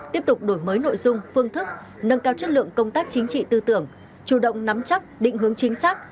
tiếp tục đổi mới nội dung phương thức nâng cao chất lượng công tác chính trị tư tưởng chủ động nắm chắc định hướng chính xác